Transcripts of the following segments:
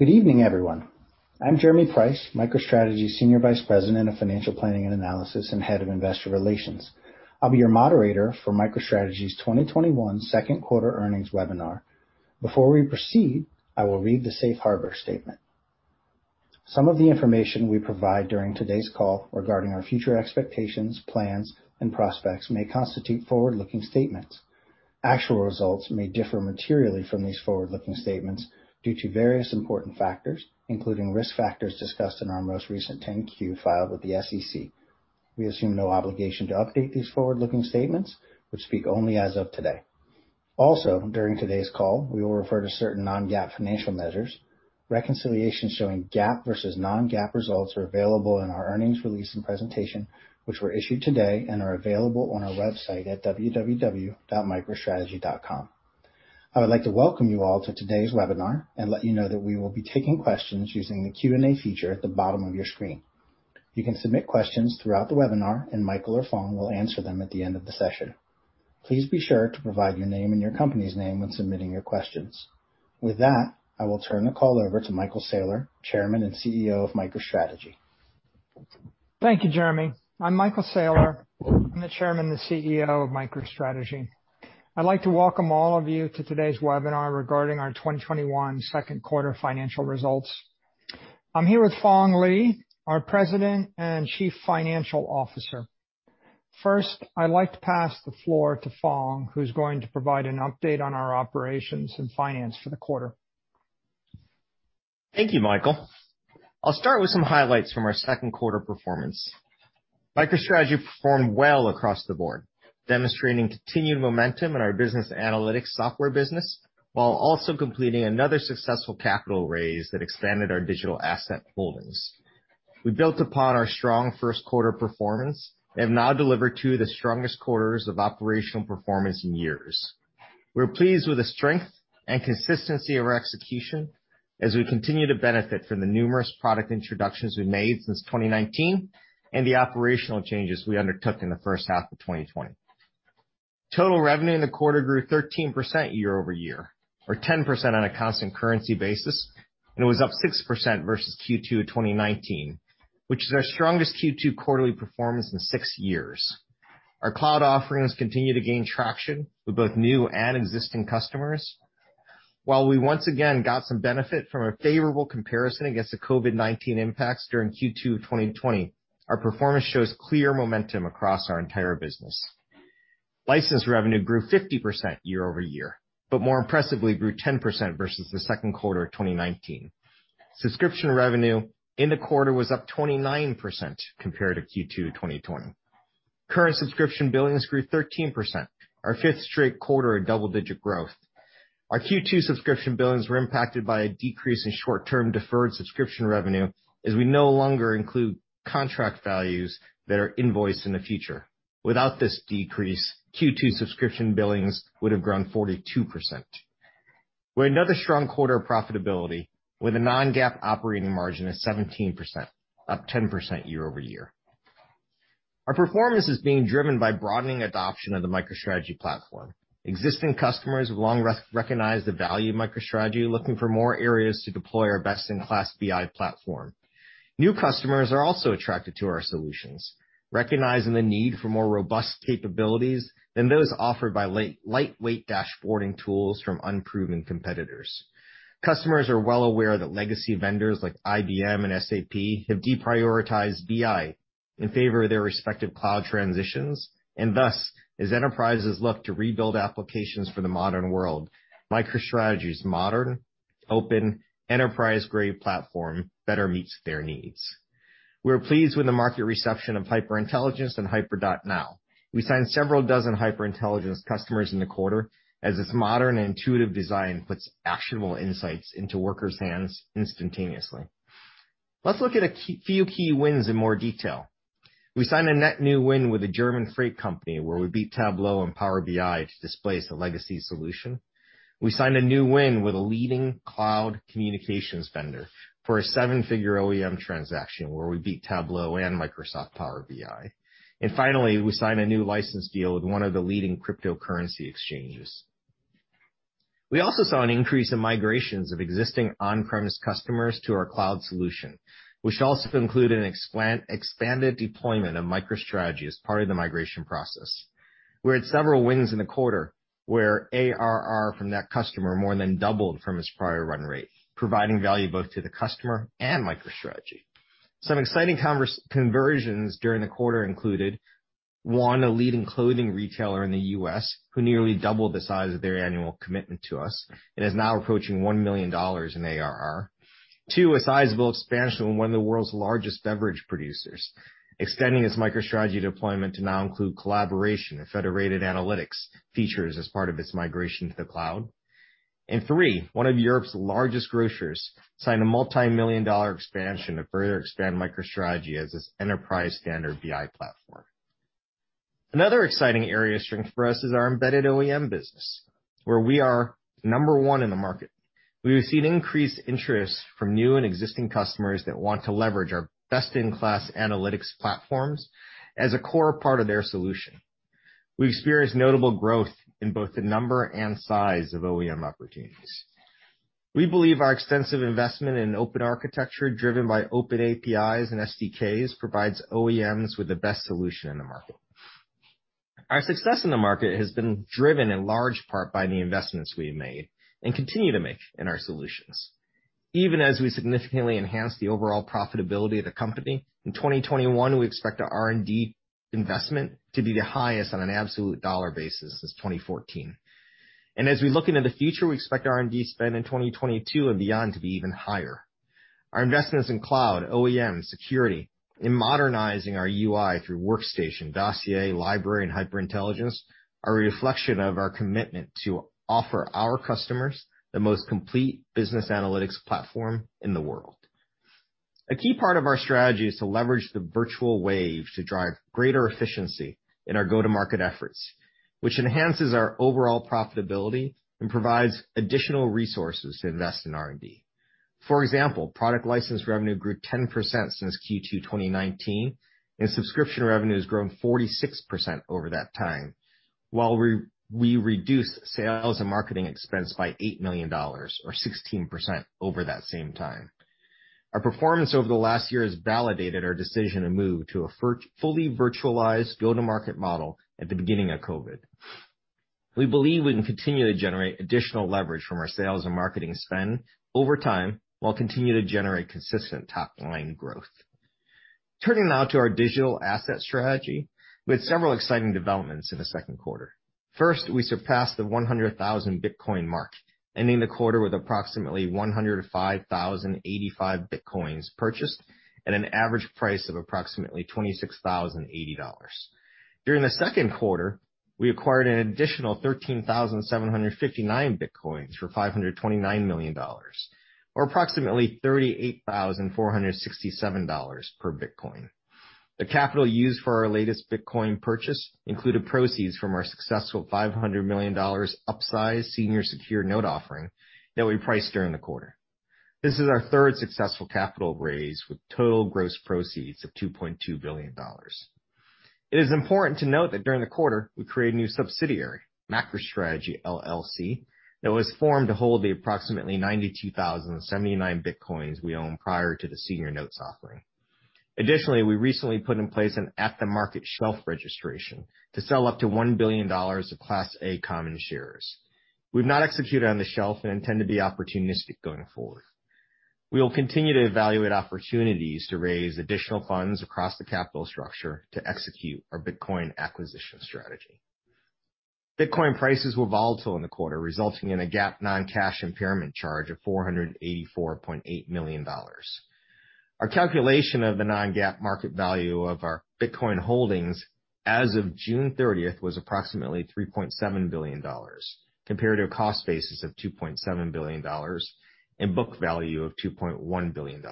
Good evening, everyone. I'm Jeremy Price, MicroStrategy Senior Vice President of Financial Planning and Analysis and Head of Investor Relations. I'll be your moderator for MicroStrategy's 2021 second quarter earnings webinar. Before we proceed, I will read the safe harbor statement. Some of the information we provide during today's call regarding our future expectations, plans, and prospects may constitute forward-looking statements. Actual results may differ materially from these forward-looking statements due to various important factors, including risk factors discussed in our most recent 10-Q filed with the SEC. We assume no obligation to update these forward-looking statements, which speak only as of today. During today's call, we will refer to certain non-GAAP financial measures. Reconciliation showing GAAP versus non-GAAP results are available in our earnings release and presentation, which were issued today and are available on our website at www.microstrategy.com. I would like to welcome you all to today's webinar and let you know that we will be taking questions using the Q&A feature at the bottom of your screen. You can submit questions throughout the webinar, and Michael or Phong will answer them at the end of the session. Please be sure to provide your name and your company's name when submitting your questions. With that, I will turn the call over to Michael Saylor, Chairman and CEO of MicroStrategy. Thank you, Jeremy. I'm Michael Saylor. I'm the Chairman and CEO of MicroStrategy. I'd like to welcome all of you to today's webinar regarding our 2021 second quarter financial results. I'm here with Phong Le, our President and Chief Financial Officer. First, I'd like to pass the floor to Phong, who's going to provide an update on our operations and finance for the quarter. Thank you, Michael. I'll start with some highlights from our second quarter performance. MicroStrategy performed well across the board, demonstrating continued momentum in our business analytics software business, while also completing another successful capital raise that extended our digital asset holdings. We built upon our strong first quarter performance and have now delivered two of the strongest quarters of operational performance in years. We're pleased with the strength and consistency of our execution as we continue to benefit from the numerous product introductions we've made since 2019 and the operational changes we undertook in the first half of 2020. Total revenue in the quarter grew 13% year-over-year or 10% on a constant currency basis. It was up 6% versus Q2 of 2019, which is our strongest Q2 quarterly performance in six years. Our cloud offerings continue to gain traction with both new and existing customers. While we once again got some benefit from a favorable comparison against the COVID-19 impacts during Q2 of 2020, our performance shows clear momentum across our entire business. License revenue grew 50% year-over-year, but more impressively, grew 10% versus the second quarter of 2019. Subscription revenue in the quarter was up 29% compared to Q2 2020. Current subscription billings grew 13%, our fifth straight quarter of double-digit growth. Our Q2 subscription billings were impacted by a decrease in short-term deferred subscription revenue, as we no longer include contract values that are invoiced in the future. Without this decrease, Q2 subscription billings would have grown 42%. We had another strong quarter of profitability with a non-GAAP operating margin of 17%, up 10% year-over-year. Our performance is being driven by broadening adoption of the MicroStrategy platform. Existing customers have long recognized the value of MicroStrategy, looking for more areas to deploy our best-in-class BI platform. New customers are also attracted to our solutions, recognizing the need for more robust capabilities than those offered by lightweight dashboarding tools from unproven competitors. Customers are well aware that legacy vendors like IBM and SAP have deprioritized BI in favor of their respective cloud transitions, thus, as enterprises look to rebuild applications for the modern world, MicroStrategy's modern, open, enterprise-grade platform better meets their needs. We are pleased with the market reception of HyperIntelligence and Hyper.Now. We signed several dozen HyperIntelligence customers in the quarter, as its modern and intuitive design puts actionable insights into workers' hands instantaneously. Let's look at a few key wins in more detail. We signed a net new win with a German freight company where we beat Tableau and Power BI to displace a legacy solution. We signed a new win with a leading cloud communications vendor for a seven-figure OEM transaction where we beat Tableau and Microsoft Power BI. Finally, we signed a new license deal with one of the leading cryptocurrency exchanges. We also saw an increase in migrations of existing on-premise customers to our cloud solution, which also included an expanded deployment of MicroStrategy as part of the migration process. We had several wins in the quarter where ARR from that customer more than doubled from its prior run rate, providing value both to the customer and MicroStrategy. Some exciting conversions during the quarter included, one, a leading clothing retailer in the U.S. who nearly doubled the size of their annual commitment to us and is now approaching $1 million in ARR. Two, a sizable expansion with one of the world's largest beverage producers, extending its MicroStrategy deployment to now include collaboration and federated analytics features as part of its migration to the cloud. Three, one of Europe's largest grocers signed a multimillion-dollar expansion to further expand MicroStrategy as its enterprise standard BI platform. Another exciting area of strength for us is our embedded OEM business, where we are number one in the market. We have seen increased interest from new and existing customers that want to leverage our best-in-class analytics platforms as a core part of their solution. We experienced notable growth in both the number and size of OEM opportunities. We believe our extensive investment in open architecture, driven by open APIs and SDKs, provides OEMs with the best solution in the market. Our success in the market has been driven in large part by the investments we've made and continue to make in our solutions. Even as we significantly enhance the overall profitability of the company, in 2021, we expect our R&D investment to be the highest on an absolute dollar basis since 2014. As we look into the future, we expect R&D spend in 2022 and beyond to be even higher. Our investments in cloud, OEM, security, in modernizing our UI through Workstation, Dossier, Library, and HyperIntelligence are a reflection of our commitment to offer our customers the most complete business analytics platform in the world. A key part of our strategy is to leverage the virtual wave to drive greater efficiency in our go-to-market efforts, which enhances our overall profitability and provides additional resources to invest in R&D. For example, product license revenue grew 10% since Q2 2019, and subscription revenue has grown 46% over that time, while we reduced sales and marketing expense by $8 million, or 16%, over that same time. Our performance over the last year has validated our decision to move to a fully virtualized go-to-market model at the beginning of COVID. We believe we can continue to generate additional leverage from our sales and marketing spend over time, while continuing to generate consistent top-line growth. Turning now to our digital asset strategy. We had several exciting developments in the second quarter. First, we surpassed the 100,000 Bitcoin mark, ending the quarter with approximately 105,085 Bitcoins purchased at an average price of approximately $26,080. During the second quarter, we acquired an additional 13,759 Bitcoins for $529 million, or approximately $38,467 per Bitcoin. The capital used for our latest Bitcoin purchase included proceeds from our successful $500 million upsized senior secured note offering that we priced during the quarter. This is our third successful capital raise, with total gross proceeds of $2.2 billion. It is important to note that during the quarter, we created a new subsidiary, MacroStrategy LLC, that was formed to hold the approximately 92,079 Bitcoins we owned prior to the senior notes offering. Additionally, we recently put in place an at-the-market shelf registration to sell up to $1 billion of Class A common shares. We've not executed on the shelf and intend to be opportunistic going forward. We will continue to evaluate opportunities to raise additional funds across the capital structure to execute our Bitcoin acquisition strategy. Bitcoin prices were volatile in the quarter, resulting in a GAAP non-cash impairment charge of $484.8 million. Our calculation of the non-GAAP market value of our Bitcoin holdings as of June 30th was approximately $3.7 billion, compared to a cost basis of $2.7 billion and book value of $2.1 billion.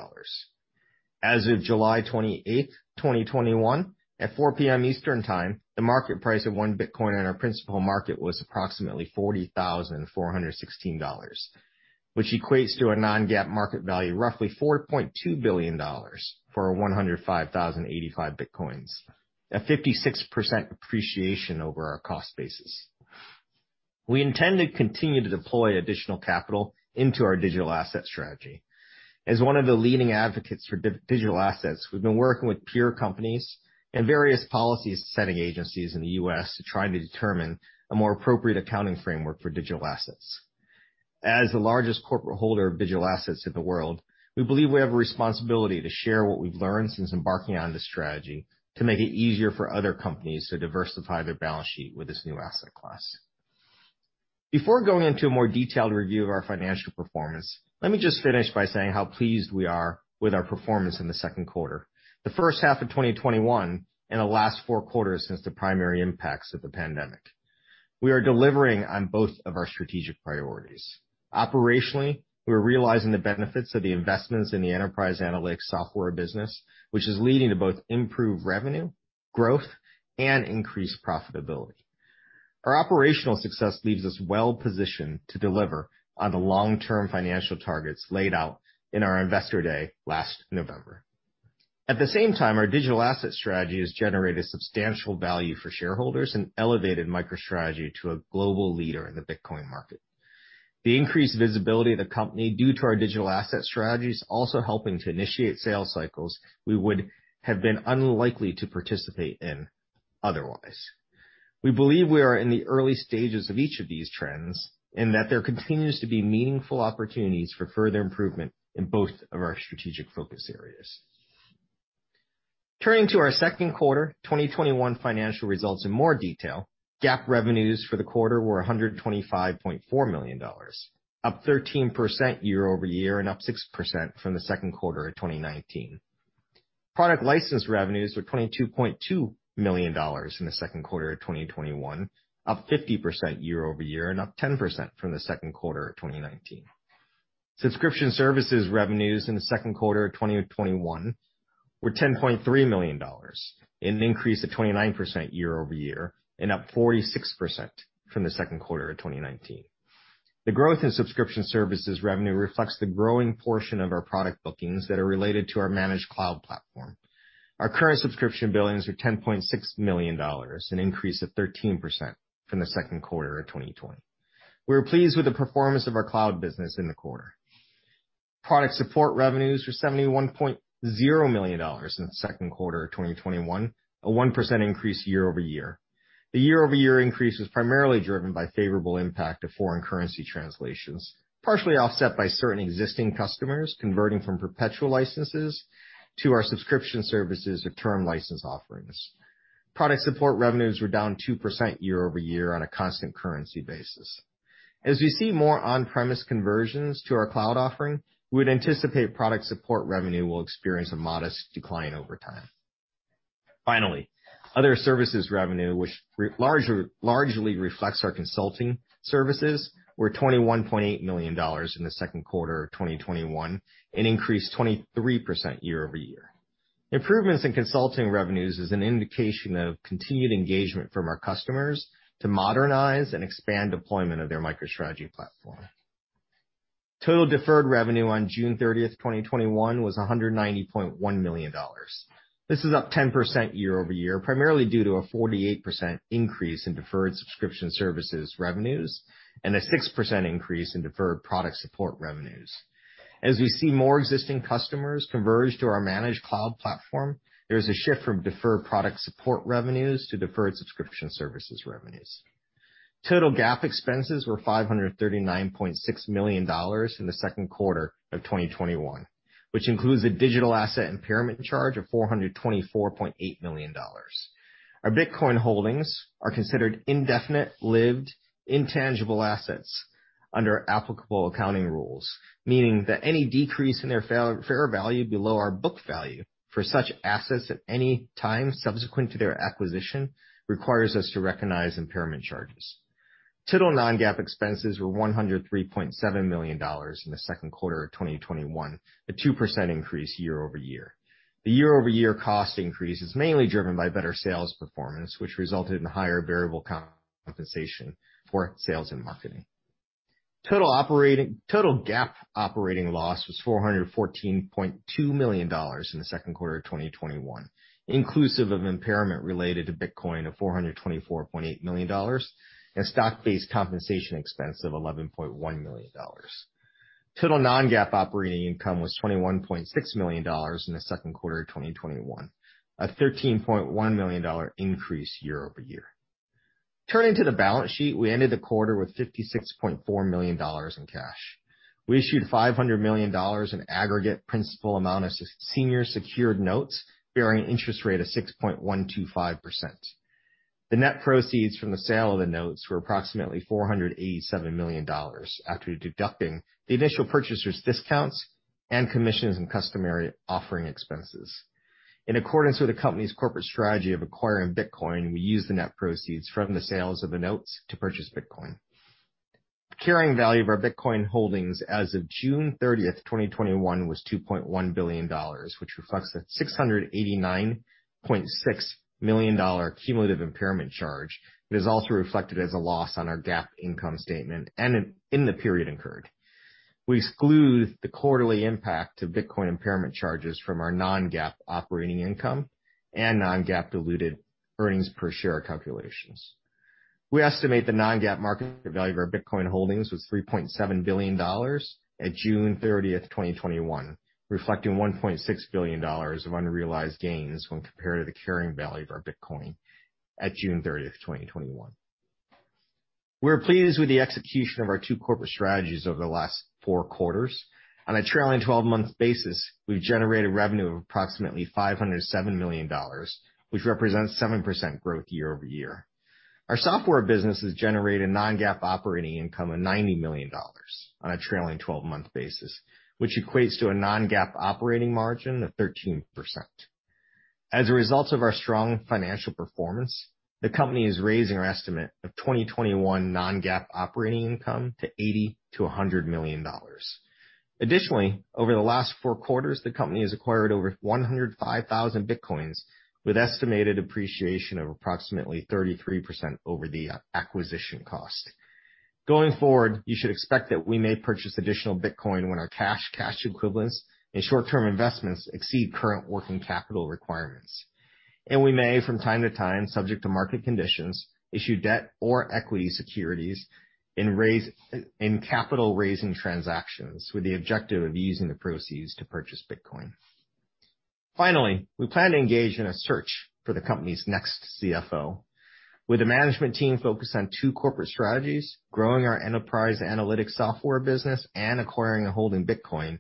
As of July 28th, 2021, at 4:00 P.M. Eastern Time, the market price of one Bitcoin on our principal market was approximately $40,416, which equates to a non-GAAP market value roughly $4.2 billion for our 105,085 Bitcoins, a 56% appreciation over our cost basis. We intend to continue to deploy additional capital into our digital asset strategy. As one of the leading advocates for digital assets, we've been working with peer companies and various policy-setting agencies in the U.S. to try to determine a more appropriate accounting framework for digital assets. As the largest corporate holder of digital assets in the world, we believe we have a responsibility to share what we've learned since embarking on this strategy to make it easier for other companies to diversify their balance sheet with this new asset class. Before going into a more detailed review of our financial performance, let me just finish by saying how pleased we are with our performance in the second quarter, the first half of 2021, and the last four quarters since the primary impacts of the pandemic. We are delivering on both of our strategic priorities. Operationally, we're realizing the benefits of the investments in the enterprise analytics software business, which is leading to both improved revenue growth and increased profitability. Our operational success leaves us well positioned to deliver on the long-term financial targets laid out in our Investor Day last November. At the same time, our digital asset strategy has generated substantial value for shareholders and elevated MicroStrategy to a global leader in the Bitcoin market. The increased visibility of the company due to our digital asset strategy is also helping to initiate sales cycles we would have been unlikely to participate in otherwise. We believe we are in the early stages of each of these trends, and that there continues to be meaningful opportunities for further improvement in both of our strategic focus areas. Turning to our second quarter 2021 financial results in more detail, GAAP revenues for the quarter were $125.4 million, up 13% year-over-year and up 6% from the second quarter of 2019. Product license revenues were $22.2 million in the second quarter of 2021, up 50% year-over-year and up 10% from the second quarter of 2019. Subscription services revenues in the second quarter of 2021 were $10.3 million, an increase of 29% year-over-year and up 46% from the second quarter of 2019. The growth in subscription services revenue reflects the growing portion of our product bookings that are related to our managed cloud platform. Our current subscription billings are $10.6 million, an increase of 13% from the second quarter of 2020. We are pleased with the performance of our cloud business in the quarter. Product support revenues were $71.0 million in the second quarter of 2021, a 1% increase year-over-year. The year-over-year increase was primarily driven by favorable impact of foreign currency translations, partially offset by certain existing customers converting from perpetual licenses to our subscription services or term license offerings. Product support revenues were down 2% year-over-year on a constant currency basis. As we see more on-premise conversions to our cloud offering, we would anticipate product support revenue will experience a modest decline over time. Finally, other services revenue, which largely reflects our consulting services, were $21.8 million in the second quarter of 2021, an increase 23% year-over-year. Improvements in consulting revenues is an indication of continued engagement from our customers to modernize and expand deployment of their MicroStrategy platform. Total deferred revenue on June 30th, 2021 was $190.1 million. This is up 10% year-over-year, primarily due to a 48% increase in deferred subscription services revenues, and a 6% increase in deferred product support revenues. As we see more existing customers converge to our managed cloud platform, there is a shift from deferred product support revenues to deferred subscription services revenues. Total GAAP expenses were $539.6 million in the second quarter of 2021, which includes a digital asset impairment charge of $424.8 million. Our Bitcoin holdings are considered indefinite-lived intangible assets under applicable accounting rules, meaning that any decrease in their fair value below our book value for such assets at any time subsequent to their acquisition requires us to recognize impairment charges. Total non-GAAP expenses were $103.7 million in the second quarter of 2021, a 2% increase year-over-year. The year-over-year cost increase is mainly driven by better sales performance, which resulted in higher variable compensation for sales and marketing. Total GAAP operating loss was $414.2 million in the second quarter of 2021, inclusive of impairment related to Bitcoin of $424.8 million and stock-based compensation expense of $11.1 million. Total non-GAAP operating income was $21.6 million in the second quarter of 2021, a $13.1 million increase year-over-year. Turning to the balance sheet, we ended the quarter with $56.4 million in cash. We issued $500 million in aggregate principal amount of senior secured notes bearing an interest rate of 6.125%. The net proceeds from the sale of the notes were approximately $487 million after deducting the initial purchasers' discounts and commissions and customary offering expenses. In accordance with the company's corporate strategy of acquiring Bitcoin, we used the net proceeds from the sales of the notes to purchase Bitcoin. The carrying value of our Bitcoin holdings as of June 30th, 2021 was $2.1 billion, which reflects a $689.6 million cumulative impairment charge that is also reflected as a loss on our GAAP income statement and in the period incurred. We exclude the quarterly impact to Bitcoin impairment charges from our non-GAAP operating income and non-GAAP diluted earnings per share calculations. We estimate the non-GAAP market value of our Bitcoin holdings was $3.7 billion at June 30th, 2021, reflecting $1.6 billion of unrealized gains when compared to the carrying value of our Bitcoin at June 30th, 2021. We are pleased with the execution of our two corporate strategies over the last four quarters. On a trailing 12-month basis, we've generated revenue of approximately $507 million, which represents 7% growth year-over-year. Our software businesses generate a non-GAAP operating income of $90 million on a trailing 12-month basis, which equates to a non-GAAP operating margin of 13%. As a result of our strong financial performance, the company is raising our estimate of 2021 non-GAAP operating income to $80 million-$100 million. Additionally, over the last four quarters, the company has acquired over 105,000 Bitcoins, with estimated appreciation of approximately 33% over the acquisition cost. Going forward, you should expect that we may purchase additional Bitcoin when our cash equivalents, and short-term investments exceed current working capital requirements. We may, from time to time, subject to market conditions, issue debt or equity securities in capital-raising transactions with the objective of using the proceeds to purchase Bitcoin. Finally, we plan to engage in a search for the company's next CFO. With the management team focused on two corporate strategies, growing our enterprise analytics software business and acquiring and holding Bitcoin,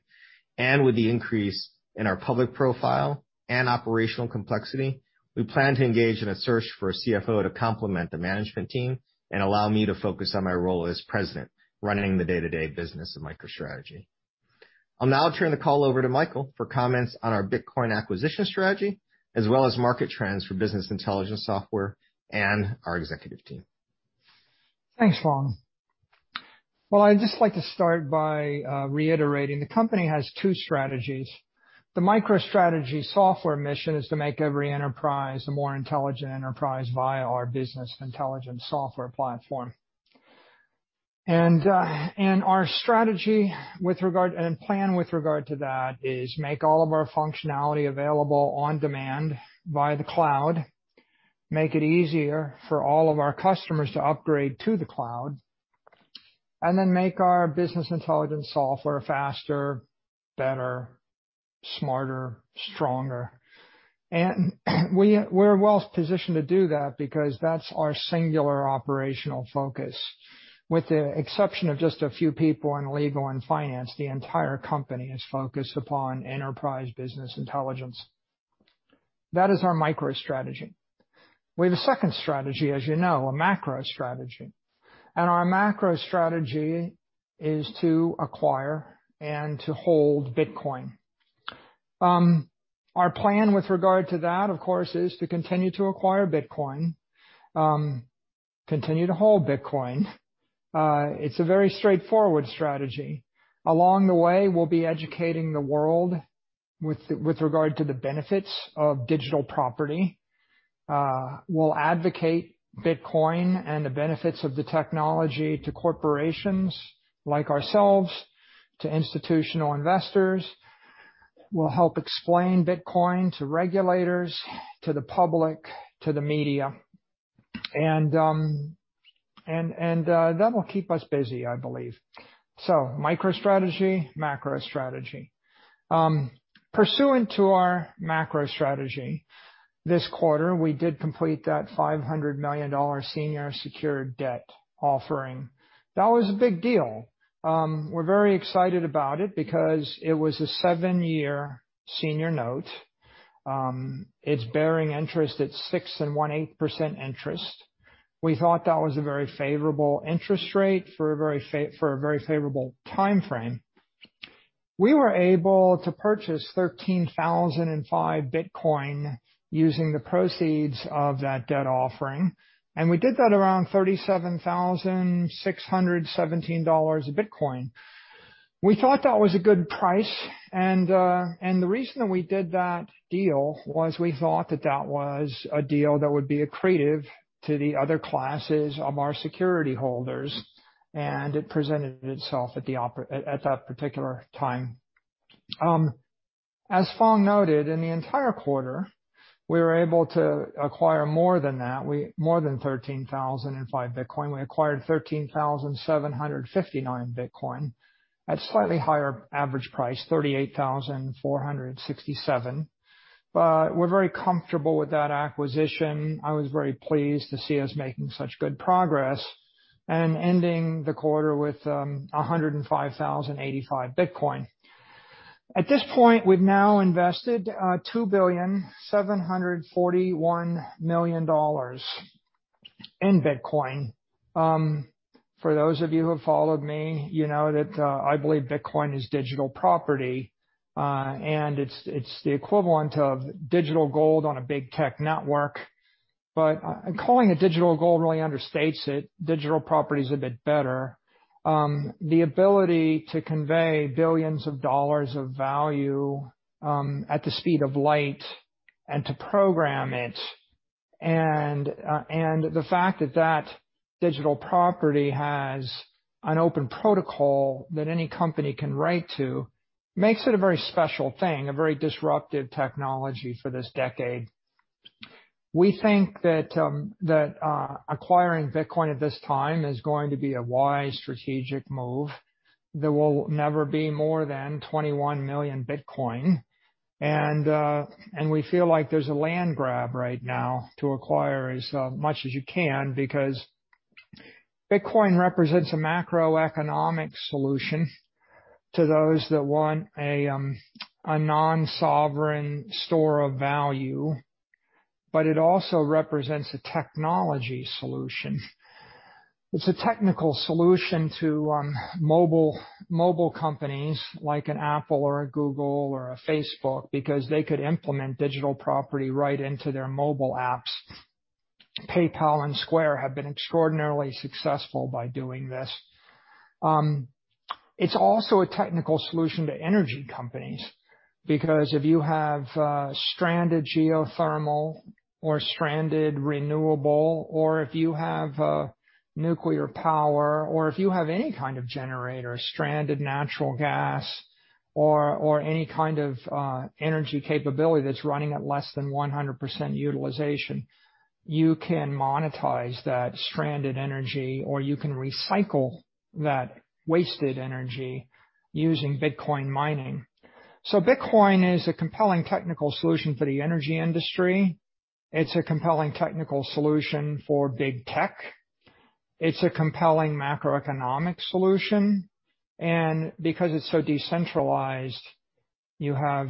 and with the increase in our public profile and operational complexity, we plan to engage in a search for a CFO to complement the management team and allow me to focus on my role as President, running the day-to-day business of MicroStrategy. I'll now turn the call over to Michael for comments on our Bitcoin acquisition strategy, as well as market trends for business intelligence software and our executive team. Thanks, Phong Le. Well, I'd just like to start by reiterating the company has two strategies. The MicroStrategy software mission is to make every enterprise a more intelligent enterprise via our business intelligence software platform. Our strategy and plan with regard to that is make all of our functionality available on demand via the cloud, make it easier for all of our customers to upgrade to the cloud, make our business intelligence software faster, better, smarter, stronger. We're well-positioned to do that because that's our singular operational focus. With the exception of just a few people in legal and finance, the entire company is focused upon enterprise business intelligence. That is our micro strategy. We have a second strategy, as you know, a macro strategy. Our macro strategy is to acquire and to hold Bitcoin. Our plan with regard to that, of course, is to continue to acquire Bitcoin, continue to hold Bitcoin. It's a very straightforward strategy. Along the way, we'll be educating the world with regard to the benefits of digital property. We'll advocate Bitcoin and the benefits of the technology to corporations like ourselves, to institutional investors. We'll help explain Bitcoin to regulators, to the public, to the media. That will keep us busy, I believe. MicroStrategy, MacroStrategy. Pursuant to our MacroStrategy, this quarter, we did complete that $500 million senior secured debt offering. That was a big deal. We're very excited about it because it was a seven-year senior note. It's bearing interest at 6.125% interest. We thought that was a very favorable interest rate for a very favorable timeframe. We were able to purchase 13,005 Bitcoin using the proceeds of that debt offering, and we did that around $37,617 a Bitcoin. We thought that was a good price, and the reason that we did that deal was we thought that that was a deal that would be accretive to the other classes of our security holders, and it presented itself at that particular time. As Phong noted, in the entire quarter, we were able to acquire more than that, more than 13,005 Bitcoin. We acquired 13,759 Bitcoin at a slightly higher average price, $38,467. We're very comfortable with that acquisition. I was very pleased to see us making such good progress and ending the quarter with 105,085 Bitcoin. At this point, we've now invested $2,741,000,000 in Bitcoin. For those of you who have followed me, you know that I believe Bitcoin is digital property, and it's the equivalent of digital gold on a big tech network. Calling it digital gold really understates it. Digital property is a bit better. The ability to convey billions of dollars of value at the speed of light and to program it, and the fact that that digital property has an open protocol that any company can write to, makes it a very special thing, a very disruptive technology for this decade. We think that acquiring Bitcoin at this time is going to be a wise strategic move. There will never be more than 21 million Bitcoin, and we feel like there's a land grab right now to acquire as much as you can because Bitcoin represents a macroeconomic solution to those that want a non-sovereign store of value. It also represents a technology solution. It's a technical solution to mobile companies like an Apple or a Google or a Facebook, because they could implement digital property right into their mobile apps. PayPal and Square have been extraordinarily successful by doing this. It's also a technical solution to energy companies, because if you have stranded geothermal or stranded renewable, or if you have nuclear power, or if you have any kind of generator, stranded natural gas, or any kind of energy capability that's running at less than 100% utilization, you can monetize that stranded energy, or you can recycle that wasted energy using Bitcoin mining. Bitcoin is a compelling technical solution for the energy industry. It's a compelling technical solution for big tech. It's a compelling macroeconomic solution. Because it's so decentralized, you have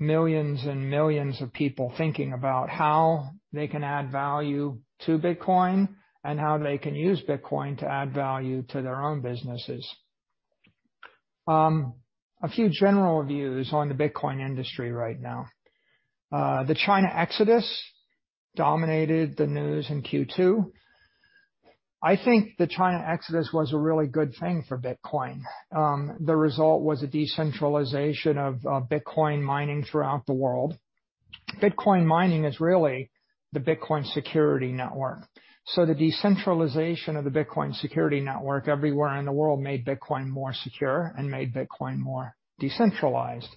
millions and millions of people thinking about how they can add value to Bitcoin and how they can use Bitcoin to add value to their own businesses. A few general views on the Bitcoin industry right now. The China exodus dominated the news in Q2. I think the China exodus was a really good thing for Bitcoin. The result was a decentralization of Bitcoin mining throughout the world. Bitcoin mining is really the Bitcoin security network. The decentralization of the Bitcoin security network everywhere in the world made Bitcoin more secure and made Bitcoin more decentralized.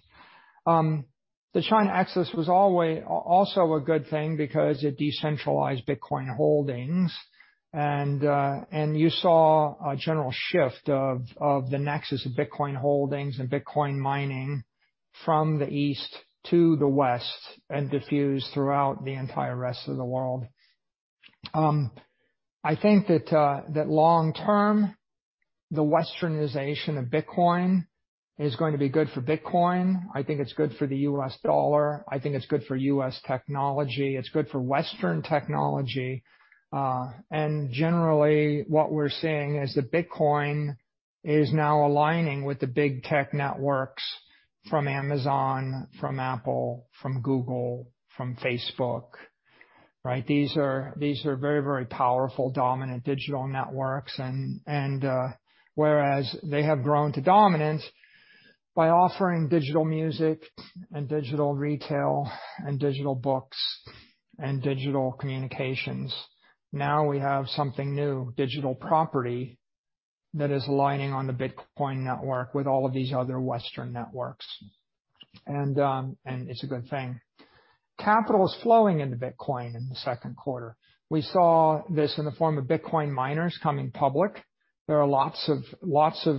The China exodus was also a good thing because it decentralized Bitcoin holdings, and you saw a general shift of the nexus of Bitcoin holdings and Bitcoin mining from the East to the West and diffused throughout the entire rest of the world. I think that long-term, the Westernization of Bitcoin is going to be good for Bitcoin. I think it's good for the U.S. dollar. I think it's good for U.S. technology. It's good for Western technology. Generally, what we're seeing is that Bitcoin is now aligning with the big tech networks from Amazon, from Apple, from Google, from Facebook, right? These are very, very powerful, dominant digital networks. Whereas they have grown to dominance by offering digital music and digital retail and digital books and digital communications, now we have something new, digital property, that is aligning on the Bitcoin network with all of these other Western networks. It's a good thing. Capital is flowing into Bitcoin in the second quarter. We saw this in the form of Bitcoin miners coming public. There are lots of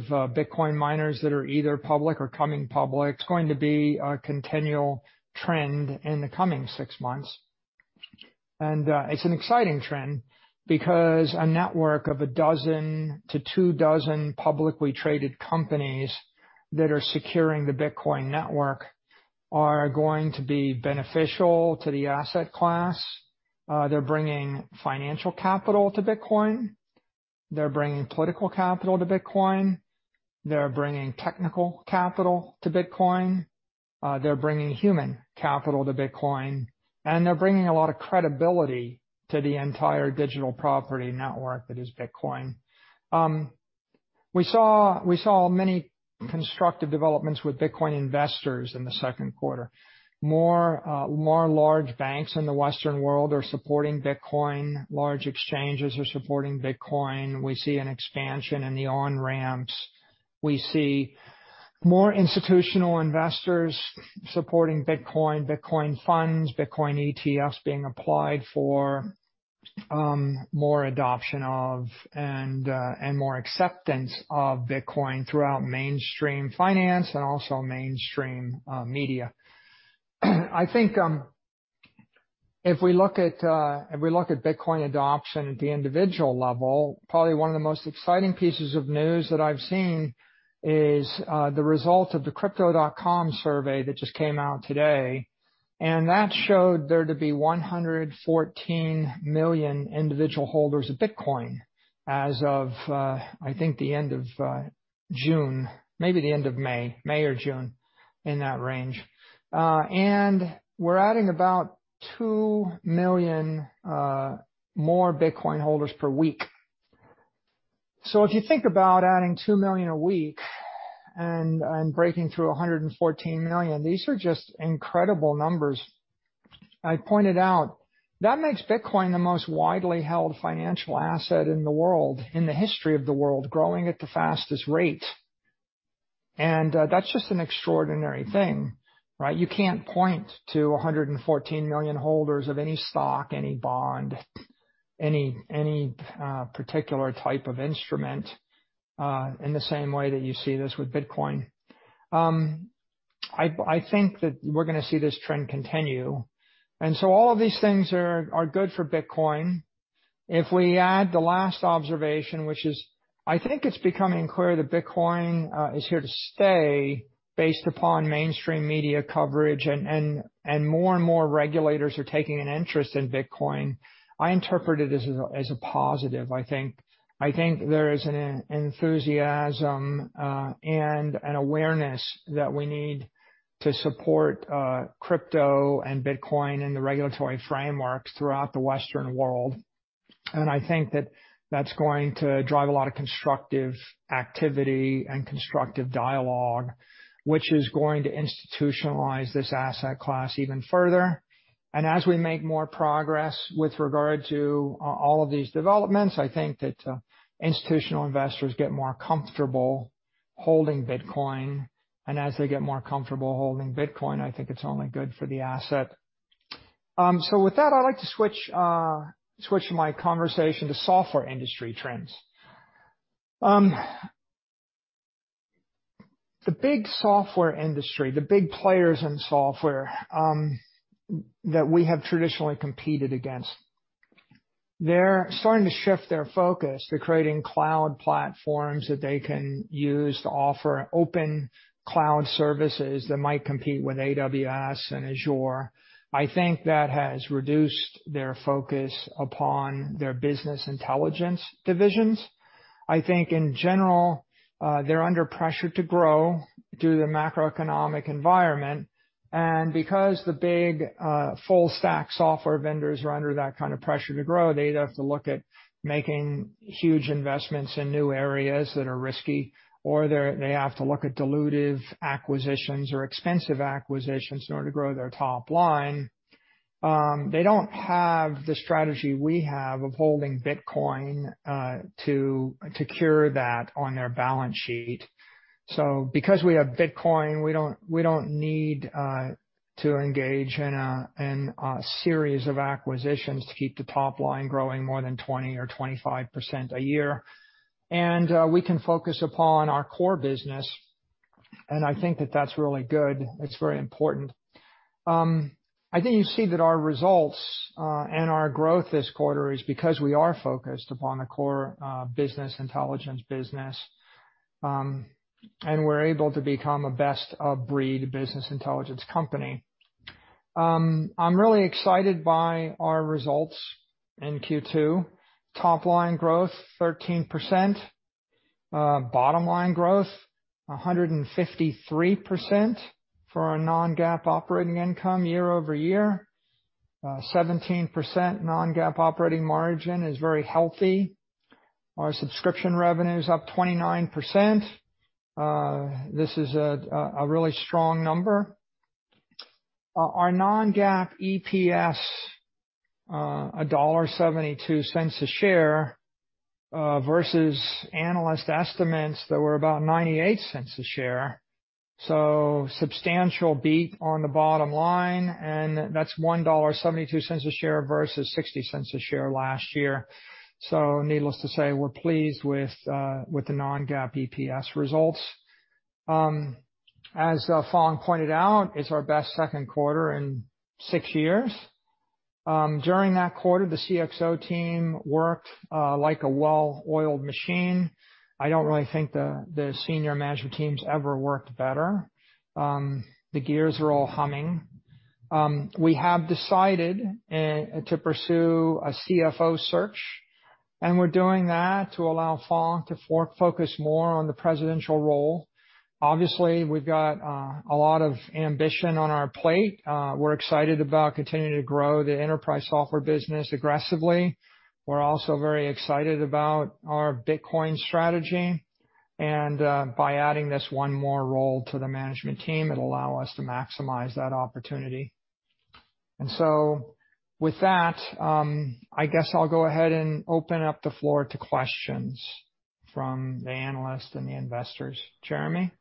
Bitcoin miners that are either public or coming public. It's going to be a continual trend in the coming six months. It's an exciting trend because a network of a dozen to two dozen publicly traded companies that are securing the Bitcoin network are going to be beneficial to the asset class. They're bringing financial capital to Bitcoin. They're bringing political capital to Bitcoin. They're bringing technical capital to Bitcoin. They're bringing human capital to Bitcoin. They're bringing a lot of credibility to the entire digital property network that is Bitcoin. We saw many constructive developments with Bitcoin investors in the second quarter. More large banks in the Western world are supporting Bitcoin. Large exchanges are supporting Bitcoin. We see an expansion in the on-ramps. We see more institutional investors supporting Bitcoin funds, Bitcoin ETFs being applied for, more adoption of, and more acceptance of Bitcoin throughout mainstream finance and also mainstream media. I think if we look at Bitcoin adoption at the individual level, probably one of the most exciting pieces of news that I've seen is the result of the Crypto.com survey that just came out today, and that showed there to be 114 million individual holders of Bitcoin as of, I think, the end of June, maybe the end of May or June, in that range. We're adding about 2 million more Bitcoin holders per week. If you think about adding 2 million a week and breaking through 114 million, these are just incredible numbers. I pointed out, that makes Bitcoin the most widely held financial asset in the world, in the history of the world, growing at the fastest rate. That's just an extraordinary thing, right? You can't point to 114 million holders of any stock, any bond, any particular type of instrument, in the same way that you see this with Bitcoin. I think that we're going to see this trend continue. All of these things are good for Bitcoin. If we add the last observation, which is, I think it's becoming clear that Bitcoin is here to stay based upon mainstream media coverage and more and more regulators are taking an interest in Bitcoin. I interpret it as a positive. I think there is an enthusiasm and an awareness that we need to support crypto and Bitcoin in the regulatory frameworks throughout the Western world. I think that that's going to drive a lot of constructive activity and constructive dialogue, which is going to institutionalize this asset class even further. As we make more progress with regard to all of these developments, I think that institutional investors get more comfortable holding Bitcoin. As they get more comfortable holding Bitcoin, I think it's only good for the asset. With that, I'd like to switch my conversation to software industry trends. The big software industry, the big players in software that we have traditionally competed against, they're starting to shift their focus to creating cloud platforms that they can use to offer open cloud services that might compete with AWS and Azure. I think that has reduced their focus upon their business intelligence divisions. I think in general, they're under pressure to grow due to the macroeconomic environment. Because the big full stack software vendors are under that kind of pressure to grow, they'd have to look at making huge investments in new areas that are risky, or they have to look at dilutive acquisitions or expensive acquisitions in order to grow their top line. They don't have the strategy we have of holding Bitcoin to cure that on their balance sheet. Because we have Bitcoin, we don't need to engage in a series of acquisitions to keep the top line growing more than 20% or 25% a year. We can focus upon our core business, and I think that that's really good. It's very important. I think you see that our results and our growth this quarter is because we are focused upon the core business intelligence business, and we're able to become a best-of-breed business intelligence company. I'm really excited by our results in Q2. Top line growth, 13%. Bottom line growth, 153% for our non-GAAP operating income year-over-year. 17% non-GAAP operating margin is very healthy. Our subscription revenue is up 29%. This is a really strong number. Our non-GAAP EPS, $1.72 a share versus analyst estimates that were about $0.98 a share. Substantial beat on the bottom line, and that's $1.72 a share versus $0.60 a share last year. Needless to say, we're pleased with the non-GAAP EPS results. As Phong pointed out, it's our best second quarter in six years. During that quarter, the CXO team worked like a well-oiled machine. I don't really think the senior management team's ever worked better. The gears are all humming. We have decided to pursue a CFO search, and we're doing that to allow Phong to focus more on the presidential role. Obviously, we've got a lot of ambition on our plate. We're excited about continuing to grow the enterprise software business aggressively. We're also very excited about our Bitcoin strategy. By adding this one more role to the management team, it'll allow us to maximize that opportunity. With that, I guess I'll go ahead and open up the floor to questions from the analysts and the investors. Jeremy?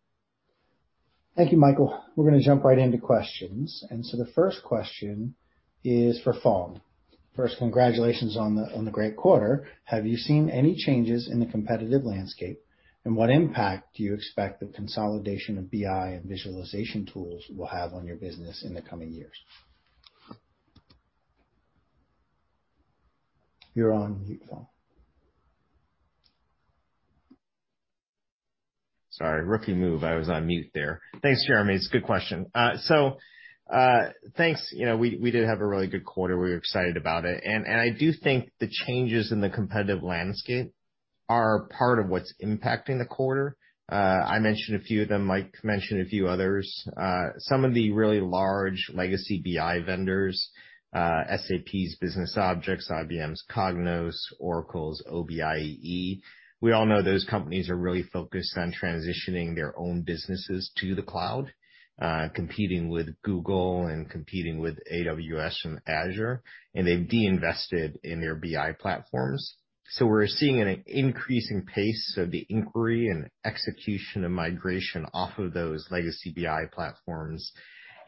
Thank you, Michael. We're going to jump right into questions. The first question is for Phong. First, congratulations on the great quarter. Have you seen any changes in the competitive landscape, and what impact do you expect the consolidation of BI and visualization tools will have on your business in the coming years? You're on mute, Phong. Sorry. Rookie move. I was on mute there. Thanks, Jeremy. It's a good question. Thanks. We did have a really good quarter. We're excited about it. I do think the changes in the competitive landscape are part of what's impacting the quarter. I mentioned a few of them, Mike mentioned a few others. Some of the really large legacy BI vendors, SAP BusinessObjects, IBM's Cognos, Oracle's OBIEE. We all know those companies are really focused on transitioning their own businesses to the cloud, competing with Google and competing with AWS and Azure, they've de-invested in their BI platforms. We're seeing an increasing pace of the inquiry and execution of migration off of those legacy BI platforms.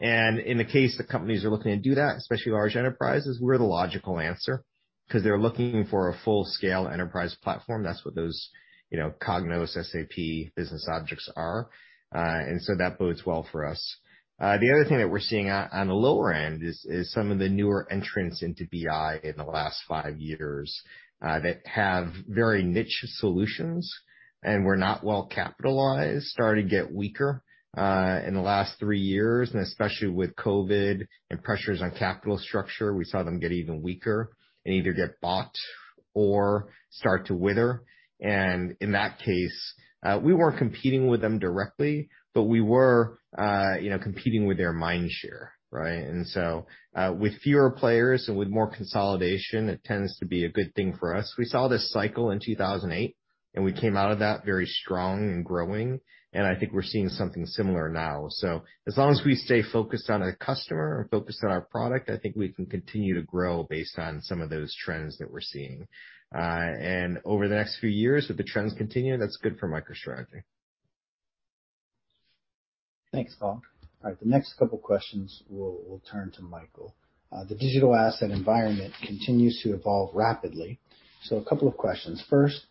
In the case that companies are looking to do that, especially large enterprises, we're the logical answer because they're looking for a full-scale enterprise platform. That's what those Cognos, SAP BusinessObjects are. That bodes well for us. The other thing that we're seeing on the lower end is some of the newer entrants into BI in the last five years that have very niche solutions and were not well capitalized, started to get weaker in the last three years, and especially with COVID and pressures on capital structure, we saw them get even weaker and either get bought or start to wither. In that case, we weren't competing with them directly, but we were competing with their mind share, right? With fewer players and with more consolidation, it tends to be a good thing for us. We saw this cycle in 2008, and we came out of that very strong and growing, and I think we're seeing something similar now. As long as we stay focused on the customer and focused on our product, I think we can continue to grow based on some of those trends that we're seeing. Over the next few years, if the trends continue, that's good for MicroStrategy. Thanks, Phong. All right. The next couple questions we'll turn to Michael. The digital asset environment continues to evolve rapidly. A couple of questions. First,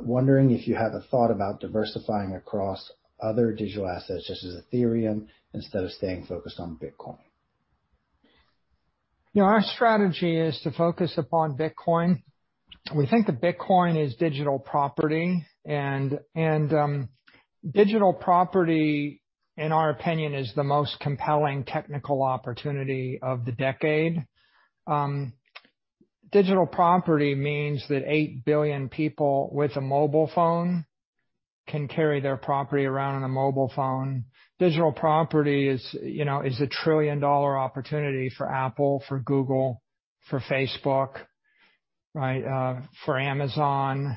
wondering if you have a thought about diversifying across other digital assets, such as Ethereum, instead of staying focused on Bitcoin. Our strategy is to focus upon Bitcoin. We think that Bitcoin is digital property, and digital property, in our opinion, is the most compelling technical opportunity of the decade. Digital property means that 8 billion people with a mobile phone can carry their property around on a mobile phone. Digital property is a $1 trillion opportunity for Apple, for Google, for Facebook, for Amazon.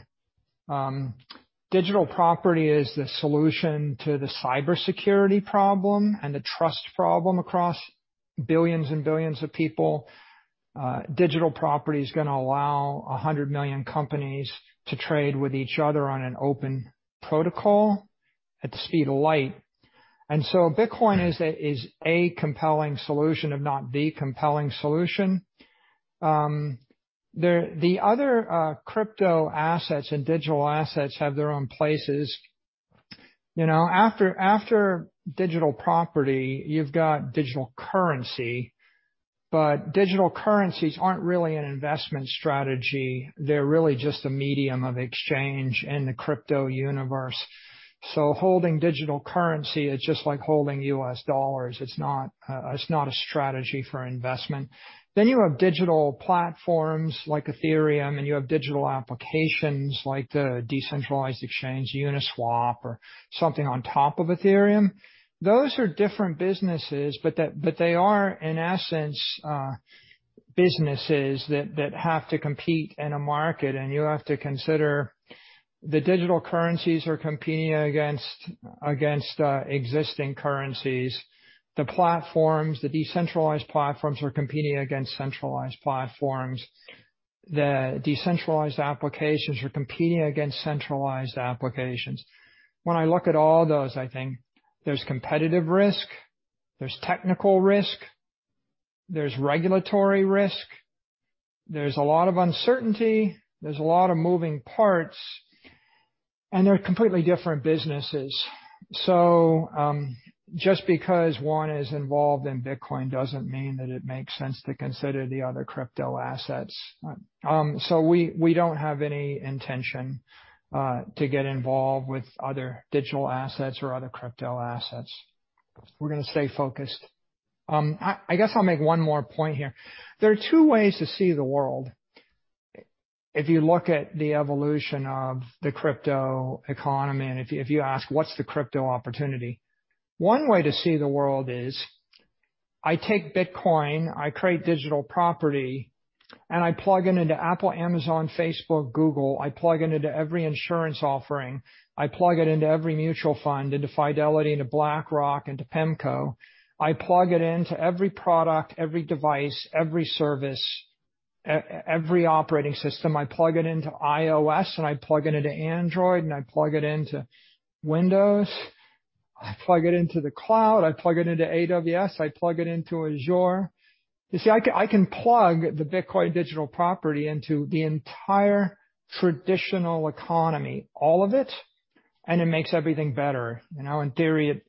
Digital property is the solution to the cybersecurity problem and the trust problem across billions and billions of people. Digital property is going to allow 100 million companies to trade with each other on an open protocol at the speed of light. Bitcoin is a compelling solution, if not the compelling solution. The other crypto assets and digital assets have their own places. After digital property, you've got digital currency, but digital currencies aren't really an investment strategy. They're really just a medium of exchange in the crypto universe. Holding digital currency is just like holding U.S. dollars. It's not a strategy for investment. You have digital platforms like Ethereum, and you have digital applications like the decentralized exchange, Uniswap, or something on top of Ethereum. Those are different businesses, but they are, in essence, businesses that have to compete in a market, and you have to consider the digital currencies are competing against existing currencies. The platforms, the decentralized platforms, are competing against centralized platforms. The decentralized applications are competing against centralized applications. When I look at all those, I think there's competitive risk, there's technical risk, there's regulatory risk, there's a lot of uncertainty, there's a lot of moving parts, and they're completely different businesses. Just because one is involved in Bitcoin doesn't mean that it makes sense to consider the other crypto assets. We don't have any intention to get involved with other digital assets or other crypto assets. We're going to stay focused. I guess I'll make one more point here. There are two ways to see the world. If you look at the evolution of the crypto economy, and if you ask, what's the crypto opportunity? One way to see the world is I take Bitcoin, I create digital property, and I plug it into Apple, Amazon, Facebook, Google. I plug it into every insurance offering. I plug it into every mutual fund, into Fidelity, into BlackRock, into PIMCO. I plug it into every product, every device, every service, every operating system. I plug it into iOS, and I plug it into Android, and I plug it into Windows. I plug it into the cloud. I plug it into AWS. I plug it into Azure. You see, I can plug the Bitcoin digital property into the entire traditional economy, all of it, and it makes everything better. In theory,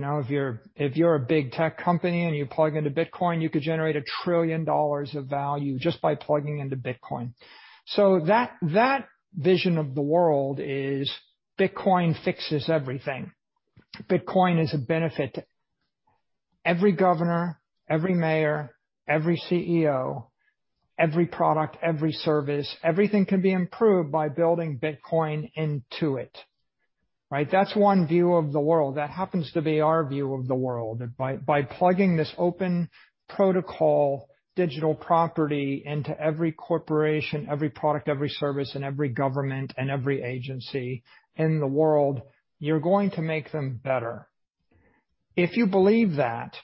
if you're a big tech company and you plug into Bitcoin, you could generate $1 trillion of value just by plugging into Bitcoin. That vision of the world is Bitcoin fixes everything. Bitcoin is a benefit to every governor, every mayor, every CEO, every product, every service. Everything can be improved by building Bitcoin into it. Right? That's one view of the world. That happens to be our view of the world. By plugging this open protocol digital property into every corporation, every product, every service, and every government, and every agency in the world, you're going to make them better. If you believe that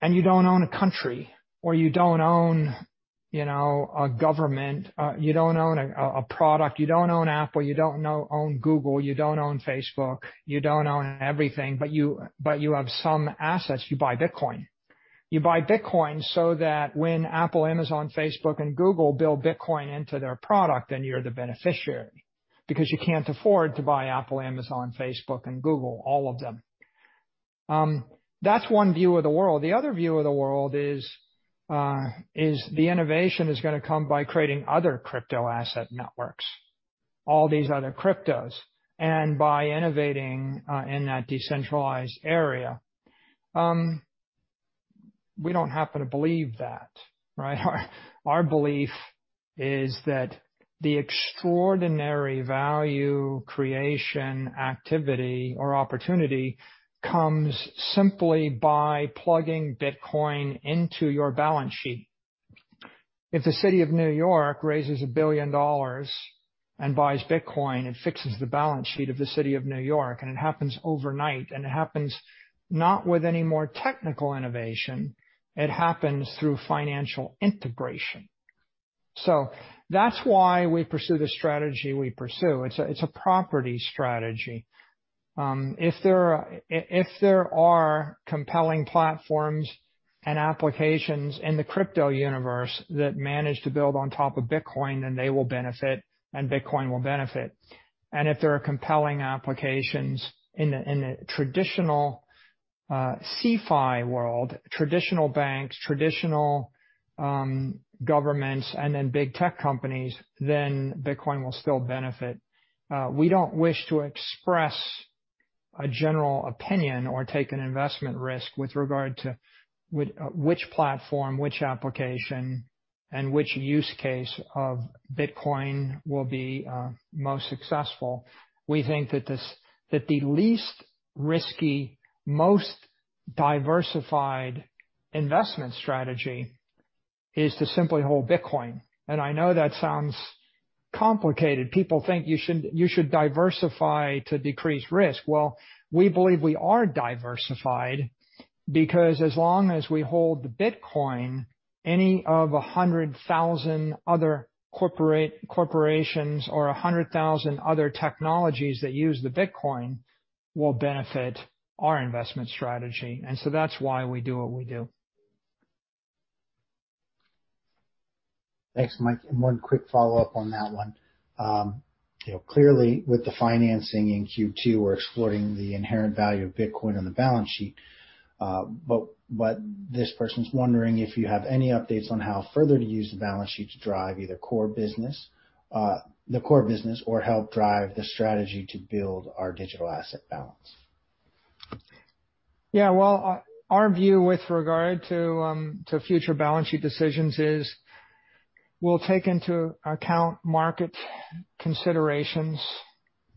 and you don't own a country or you don't own a government, you don't own a product, you don't own Apple, you don't own Google, you don't own Facebook, you don't own everything, but you have some assets, you buy Bitcoin. You buy Bitcoin so that when Apple, Amazon, Facebook, and Google build Bitcoin into their product, then you're the beneficiary because you can't afford to buy Apple, Amazon, Facebook, and Google, all of them. That's one view of the world. The other view of the world is the innovation is going to come by creating other crypto asset networks, all these other cryptos, and by innovating in that decentralized area. We don't happen to believe that, right? Our belief is that the extraordinary value creation activity or opportunity comes simply by plugging Bitcoin into your balance sheet. If the city of New York raises $1 billion and buys Bitcoin, it fixes the balance sheet of the city of New York. It happens overnight. It happens not with any more technical innovation. It happens through financial integration. That's why we pursue the strategy we pursue. It's a property strategy. If there are compelling platforms and applications in the crypto universe that manage to build on top of Bitcoin, then they will benefit. Bitcoin will benefit. If there are compelling applications in the traditional CeFi world, traditional banks, traditional governments, and then big tech companies, then Bitcoin will still benefit. We don't wish to express a general opinion or take an investment risk with regard to which platform, which application, and which use case of Bitcoin will be most successful. We think that the least risky, most diversified investment strategy is to simply hold Bitcoin. I know that sounds complicated. People think you should diversify to decrease risk. Well, we believe we are diversified because as long as we hold the Bitcoin, any of 100,000 other corporations or 100,000 other technologies that use the Bitcoin will benefit our investment strategy. That's why we do what we do. Thanks, Mike. One quick follow-up on that one. Clearly, with the financing in Q2, we're exploring the inherent value of Bitcoin on the balance sheet. This person's wondering if you have any updates on how further to use the balance sheet to drive either the core business or help drive the strategy to build our digital asset balance. Yeah. Well, our view with regard to future balance sheet decisions is we'll take into account market considerations,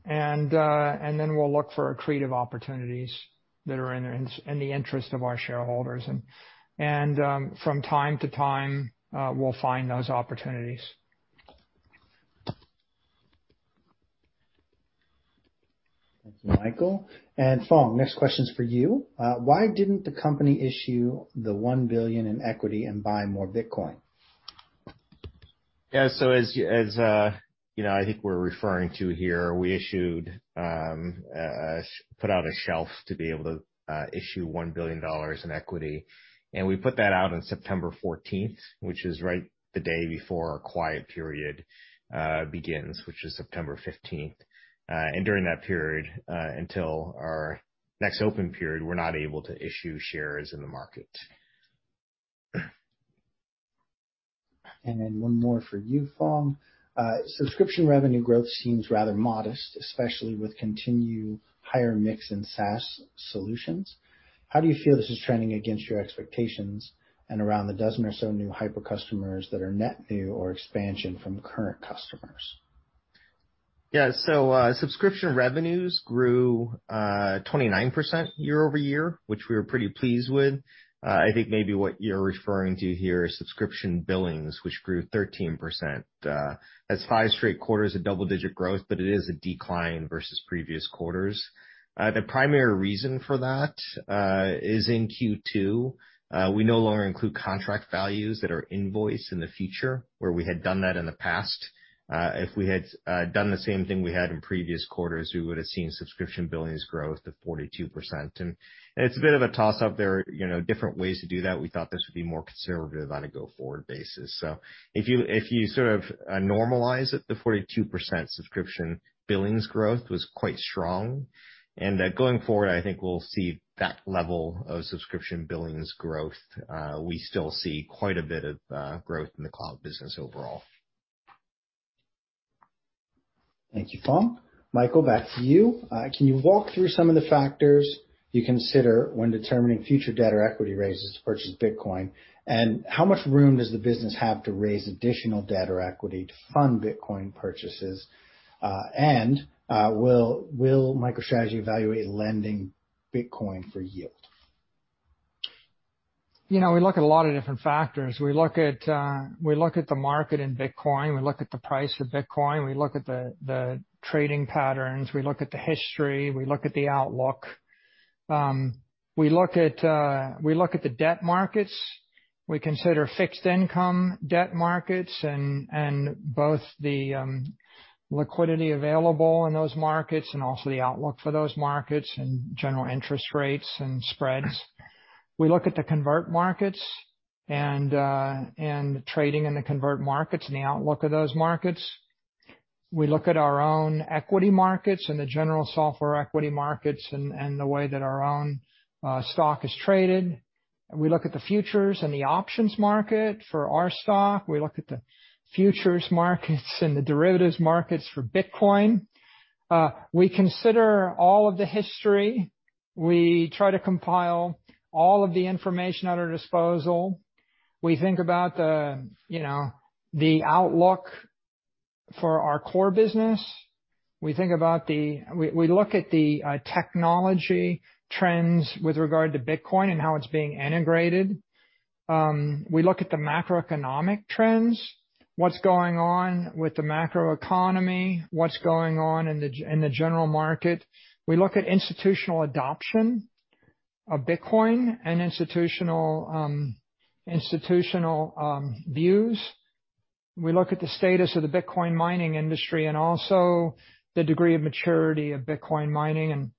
then we'll look for accretive opportunities that are in the interest of our shareholders. From time to time, we'll find those opportunities. Thank you, Michael. Phong Le, next question's for you. Why didn't the company issue the $1 billion in equity and buy more Bitcoin? As I think we're referring to here, we put out a shelf to be able to issue $1 billion in equity. We put that out on September 14th, which is right the day before our quiet period begins, which is September 15th. During that period, until our next open period, we're not able to issue shares in the market. One more for you, Phong. Subscription revenue growth seems rather modest, especially with continued higher mix in SaaS solutions. How do you feel this is trending against your expectations and around the dozen or so new Hyper customers that are net new or expansion from current customers? Yeah. Subscription revenues grew 29% year-over-year, which we were pretty pleased with. I think maybe what you're referring to here is subscription billings, which grew 13%. That's five straight quarters of double-digit growth, but it is a decline versus previous quarters. The primary reason for that is in Q2, we no longer include contract values that are invoiced in the future, where we had done that in the past. If we had done the same thing we had in previous quarters, we would have seen subscription billings growth of 42%. It's a bit of a toss-up there, different ways to do that. We thought this would be more conservative on a go-forward basis. If you sort of normalize it, the 42% subscription billings growth was quite strong. Going forward, I think we'll see that level of subscription billings growth. We still see quite a bit of growth in the cloud business overall. Thank you, Phong. Michael, back to you. Can you walk through some of the factors you consider when determining future debt or equity raises to purchase Bitcoin? How much room does the business have to raise additional debt or equity to fund Bitcoin purchases? Will MicroStrategy evaluate lending Bitcoin for yield? We look at a lot of different factors. We look at the market in Bitcoin. We look at the price of Bitcoin. We look at the trading patterns. We look at the history. We look at the outlook. We look at the debt markets. We consider fixed income debt markets and both the liquidity available in those markets and also the outlook for those markets and general interest rates and spreads. We look at the convert markets and trading in the convert markets and the outlook of those markets. We look at our own equity markets and the general software equity markets and the way that our own stock is traded. We look at the futures and the options market for our stock. We look at the futures markets and the derivatives markets for Bitcoin. We consider all of the history. We try to compile all of the information at our disposal. We think about the outlook for our core business. We look at the technology trends with regard to Bitcoin and how it's being integrated. We look at the macroeconomic trends, what's going on with the macroeconomy, what's going on in the general market. We look at institutional adoption of Bitcoin and institutional views. We look at the status of the Bitcoin mining industry and also the degree of maturity of Bitcoin mining.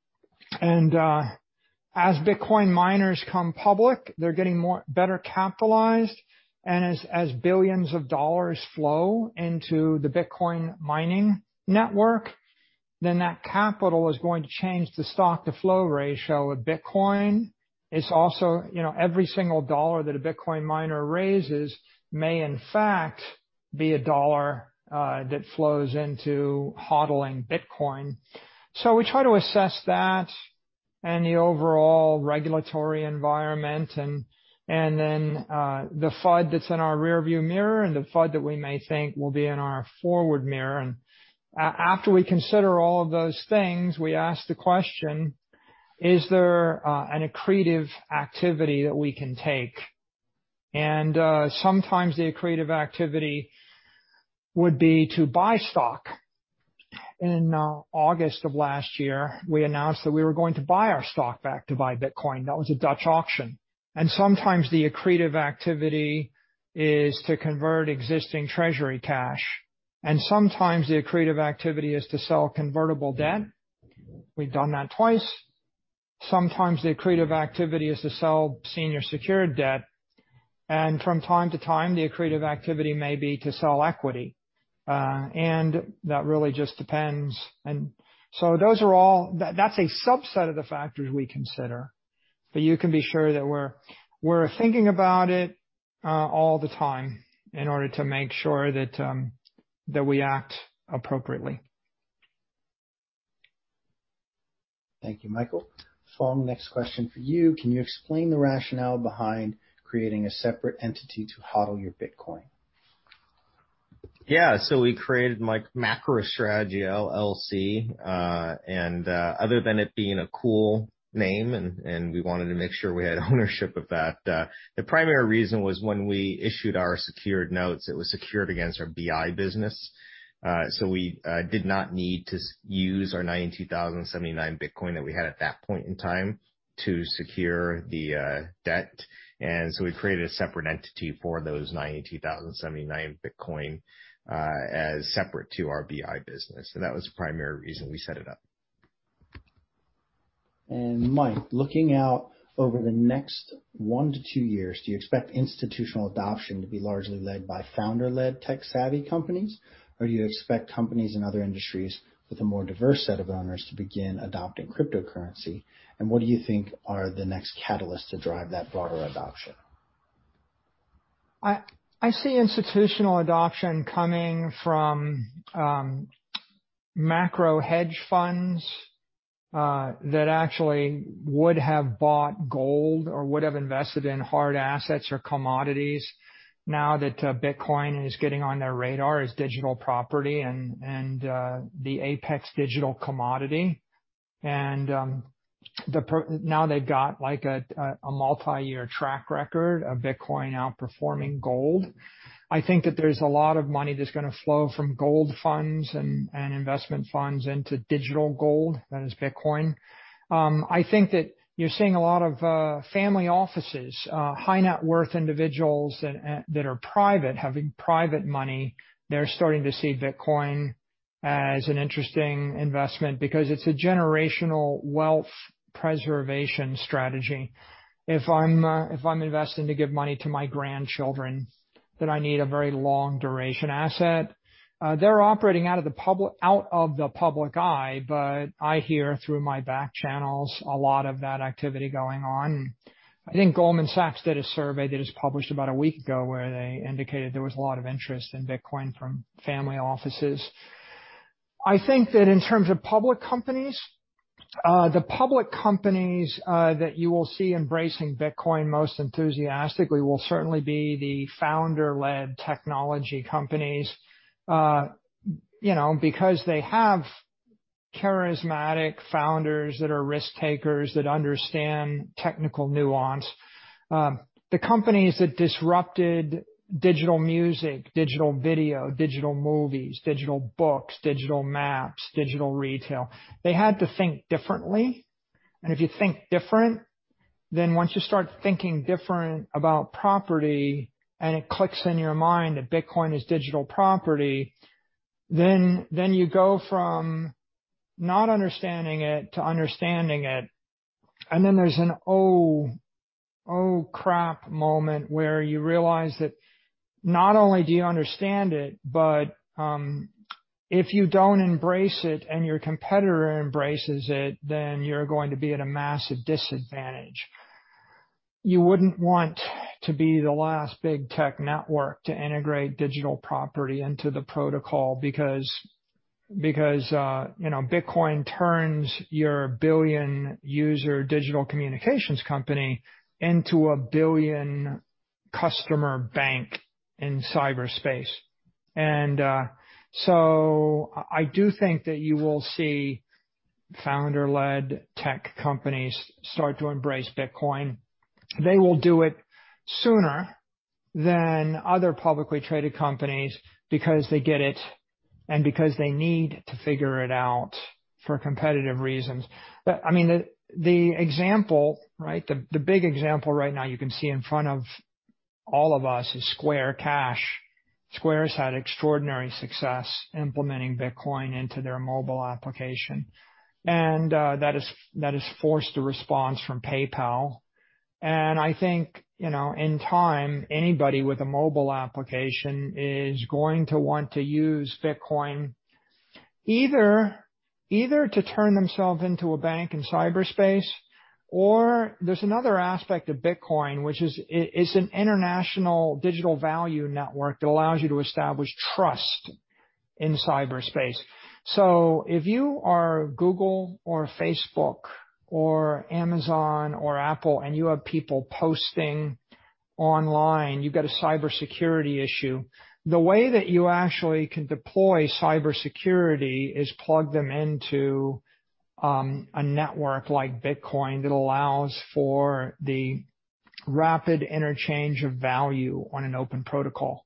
As Bitcoin miners come public, they're getting better capitalized. As billions of dollars flow into the Bitcoin mining network, that capital is going to change the stock-to-flow ratio of Bitcoin. It's also every single dollar that a Bitcoin miner raises may in fact be a dollar that flows into HODLing Bitcoin. We try to assess that and the overall regulatory environment and then the FUD that's in our rearview mirror and the FUD that we may think will be in our forward mirror. After we consider all of those things, we ask the question: Is there an accretive activity that we can take? Sometimes the accretive activity would be to buy stock. In August of last year, we announced that we were going to buy our stock back to buy Bitcoin. That was a Dutch auction. Sometimes the accretive activity is to convert existing treasury cash. Sometimes the accretive activity is to sell convertible debt. We've done that twice. Sometimes the accretive activity is to sell senior secured debt, and from time to time, the accretive activity may be to sell equity. That really just depends. That's a subset of the factors we consider, but you can be sure that we're thinking about it all the time in order to make sure that we act appropriately. Thank you, Michael. Phong, next question for you. Can you explain the rationale behind creating a separate entity to HODL your Bitcoin? We created MacroStrategy LLC, other than it being a cool name, we wanted to make sure we had ownership of that, the primary reason was when we issued our secured notes, it was secured against our BI business. We did not need to use our 92,079 Bitcoin that we had at that point in time to secure the debt. We created a separate entity for those 92,079 Bitcoin, as separate to our BI business. That was the primary reason we set it up. Michael, looking out over the next one to two years, do you expect institutional adoption to be largely led by founder-led, tech-savvy companies? Do you expect companies in other industries with a more diverse set of owners to begin adopting cryptocurrency? What do you think are the next catalysts to drive that broader adoption? I see institutional adoption coming from macro hedge funds, that actually would have bought gold or would have invested in hard assets or commodities now that Bitcoin is getting on their radar as digital property and the apex digital commodity. Now they've got a multi-year track record of Bitcoin outperforming gold. I think that there's a lot of money that's going to flow from gold funds and investment funds into digital gold, that is Bitcoin. I think that you're seeing a lot of family offices, high-net-worth individuals that are private, having private money. They're starting to see Bitcoin as an interesting investment because it's a generational wealth preservation strategy. If I'm investing to give money to my grandchildren, then I need a very long duration asset. They're operating out of the public eye, but I hear through my back channels a lot of that activity going on. I think Goldman Sachs did a survey that was published about a week ago, where they indicated there was a lot of interest in Bitcoin from family offices. I think that in terms of public companies, the public companies that you will see embracing Bitcoin most enthusiastically will certainly be the founder-led technology companies, because they have charismatic founders that are risk-takers, that understand technical nuance. The companies that disrupted digital music, digital video, digital movies, digital books, digital maps, digital retail, they had to think differently. If you think different, then once you start thinking different about property and it clicks in your mind that Bitcoin is digital property, then you go from not understanding it to understanding it. Then there's an, "Oh, crap." moment where you realize that not only do you understand it, but if you don't embrace it and your competitor embraces it, then you're going to be at a massive disadvantage. You wouldn't want to be the last big tech network to integrate digital property into the protocol because Bitcoin turns your billion-user digital communications company into a billion-customer bank in cyberspace. I do think that you will see founder-led tech companies start to embrace Bitcoin. They will do it sooner than other publicly traded companies because they get it and because they need to figure it out for competitive reasons. The example, the big example right now you can see in front of all of us is Cash App. Square's had extraordinary success implementing Bitcoin into their mobile application. That has forced a response from PayPal. I think, in time, anybody with a mobile application is going to want to use Bitcoin, either to turn themselves into a bank in cyberspace or there's another aspect of Bitcoin, which is it's an international digital value network that allows you to establish trust in cyberspace. If you are Google or Facebook or Amazon or Apple and you have people posting online, you've got a cybersecurity issue. The way that you actually can deploy cybersecurity is plug them into a network like Bitcoin that allows for the rapid interchange of value on an open protocol.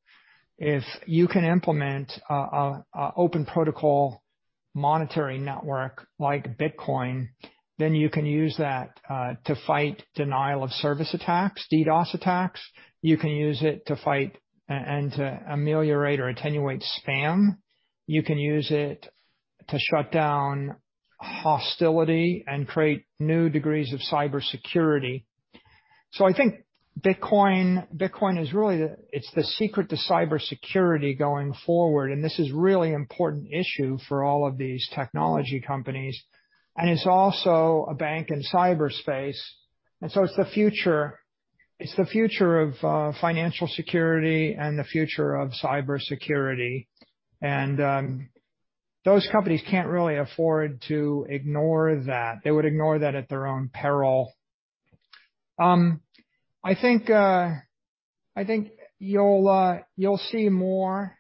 If you can implement an open protocol monetary network like Bitcoin, then you can use that to fight denial-of-service attacks, DDoS attacks. You can use it to fight and to ameliorate or attenuate spam. You can use it to shut down hostility and create new degrees of cybersecurity. I think Bitcoin is really the secret to cybersecurity going forward. This is a really important issue for all of these technology companies. It's also a bank in cyberspace, and so it's the future of financial security and the future of cybersecurity. Those companies can't really afford to ignore that. They would ignore that at their own peril. I think you'll see more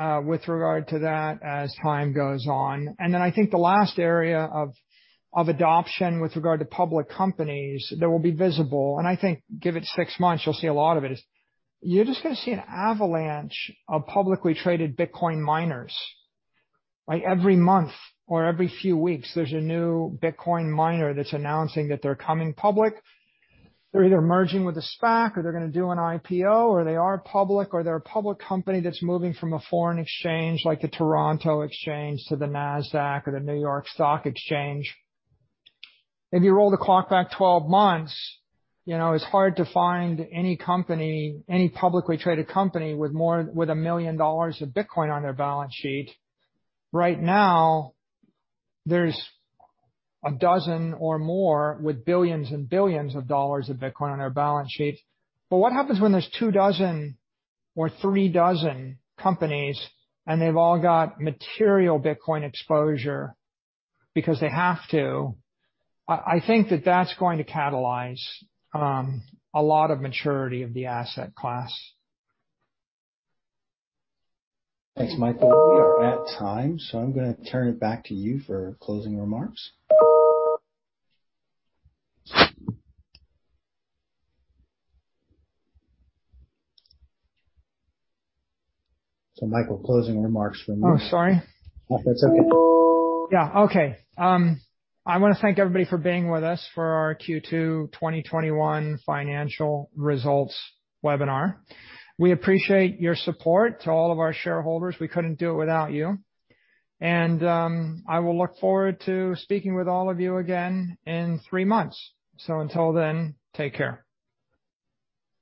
with regard to that as time goes on. Then I think the last area of adoption with regard to public companies that will be visible, and I think give it six months, you'll see a lot of it, is you're just going to see an avalanche of publicly traded Bitcoin miners. Every month or every few weeks, there's a new Bitcoin miner that's announcing that they're coming public. They're either merging with a SPAC, or they're going to do an IPO, or they are public, or they're a public company that's moving from a foreign exchange like the Toronto Stock Exchange to the Nasdaq or the New York Stock Exchange. If you roll the clock back 12 months, it's hard to find any publicly traded company with $1 million of Bitcoin on their balance sheet. Right now, there's a dozen or more with billions and billions of dollars of Bitcoin on their balance sheet. What happens when there's two dozen or three dozen companies and they've all got material Bitcoin exposure because they have to? I think that that's going to catalyze a lot of maturity of the asset class. Thanks, Michael. We are at time, I'm going to turn it back to you for closing remarks. Michael, closing remarks from you. Oh, sorry. That's okay. Yeah. Okay. I want to thank everybody for being with us for our Q2 2021 financial results webinar. We appreciate your support. To all of our shareholders, we couldn't do it without you. I will look forward to speaking with all of you again in three months. Until then, take care.